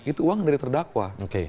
itu uang dari terdakwa